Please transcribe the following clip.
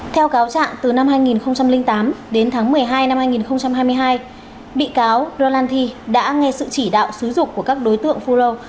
theo cáo trạng từ năm hai nghìn tám đến tháng một mươi hai hai nghìn hai mươi hai bị cáo rolati đã nghe sự chỉ đạo xứ dục của các đối tượng phù lâu